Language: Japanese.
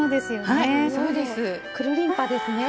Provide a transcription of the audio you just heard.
はいそうです。くるりんぱですね。